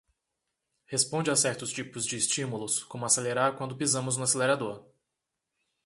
Responde a certos tipos de estímulos, como acelerar quando pisamos no acelerador